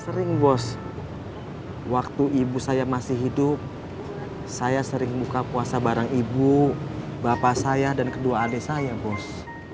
sering bos waktu ibu saya masih hidup saya sering buka puasa bareng ibu bapak saya dan kedua adik saya bos